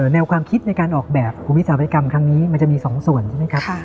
แนวความคิดในการออกแบบของวิสาหกรรมครั้งนี้มันจะมี๒ส่วนใช่ไหมครับ